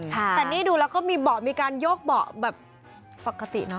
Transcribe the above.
แต่นี่ดูแล้วก็มีเบาะมีการโยกเบาะแบบปกติเนอ